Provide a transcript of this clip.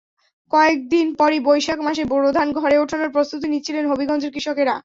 কয়েক দিন পরই বৈশাখ মাসে বোরো ধান ঘরে ওঠানোর প্রস্তুতি নিচ্ছিলেন হবিগঞ্জের কৃষকেরা।